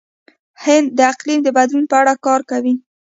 هند د اقلیم د بدلون په اړه کار کوي.